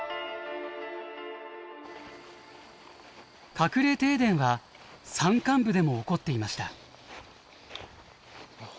隠れ停電は山間部でも起こっていました。